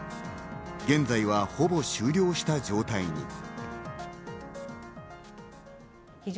現在は、ほぼ終了した状態に。